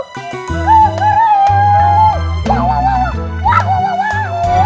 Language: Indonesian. putak putak putak